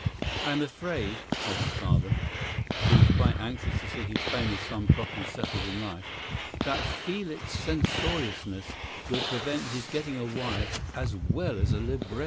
"I am afraid," said his father, who was quite anxious to see his famous son properly settled in life, "that Felix's censoriousness will prevent his getting a wife as well as a libretto."